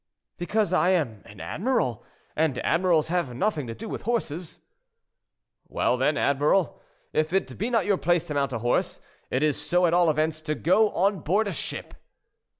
"Because I am an admiral, and admirals have nothing to do with horses." "Well, then, admiral, if it be not your place to mount a horse, it is so at all events to go on board ship.